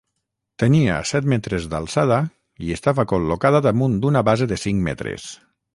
Tenia set metres d'alçada i estava col·locada damunt d'una base de cinc metres.